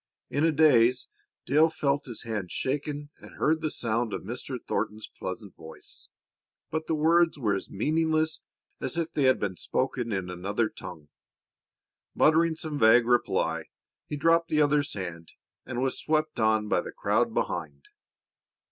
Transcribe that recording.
In a daze Dale felt his hand shaken and heard the sound of Mr. Thornton's pleasant voice, but the words were as meaningless as if they had been spoken in another tongue. Muttering some vague reply, he dropped the other's hand and was swept on by the crowd behind.